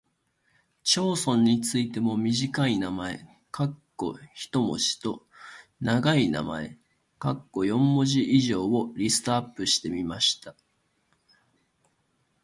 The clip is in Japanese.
町村についても短い名前（一文字）と長い名前（四文字以上）をリストアップしてみました。